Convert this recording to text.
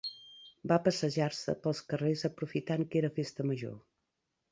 Va passejar-se pels carrers aprofitant que era festa major.